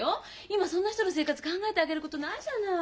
今そんな人の生活考えてあげることないじゃない。